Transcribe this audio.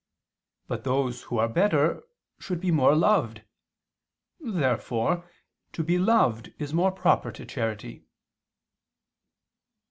But those who are better should be more loved. Therefore to be loved is more proper to charity.